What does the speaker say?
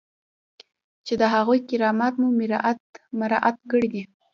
چې د هغوی کرامت مو مراعات کړی دی.